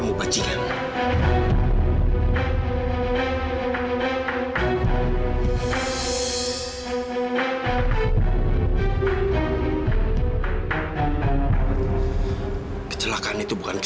mas apa tidak cukup